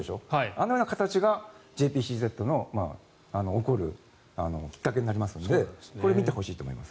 あのような形がＪＰＣＺの起こるきっかけになりますのでこれを見てほしいと思います。